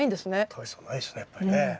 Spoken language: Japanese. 大差はないですねやっぱりね。